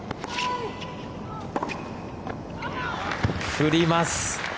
振ります。